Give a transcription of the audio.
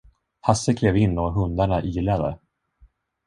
Hasse klev in och hundarna ylade.